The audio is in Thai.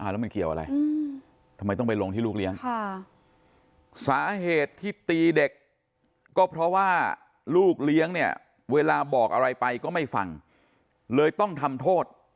แล้วมันเกี่ยวอะไรทำไมต้องไปลงที่ลูกเลี้ยงสาเหตุที่ตีเด็กก็เพราะว่าลูกเลี้ยงเนี่ยเวลาบอกอะไรไปก็ไม่ฟังเลยต้องทำโทษ